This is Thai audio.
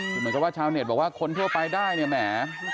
คือเหมือนกับว่าชาวเน็ตบอกว่าคนทั่วไปได้เนี่ยแหม